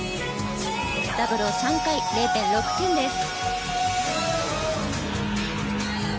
ダブルを３回０．６点です。